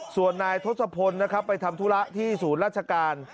ส่วนนายทศพลนะครับไปทำธุระที่ศูนย์ราชการ